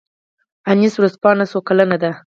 انیس ورځپاڼه څو کلنه ده؟